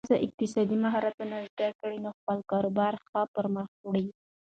که ښځه اقتصادي مهارتونه زده کړي، نو خپل کاروبار ښه پرمخ وړي.